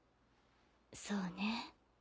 そうね。